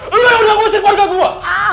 lu yang udah bosin keluarga gua